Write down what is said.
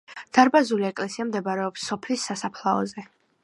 დარბაზული ეკლესია მდებარეობს სოფლის სასაფლაოზე.